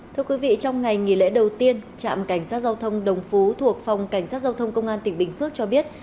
thưa quý vị trong ngày nghỉ lễ đầu tiên trạm cảnh sát giao thông đồng phú thuộc phòng cảnh sát giao thông công an tỉnh bình phước cho biết